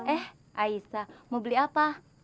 eh aisa mau beli apa